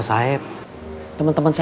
di tempat biasa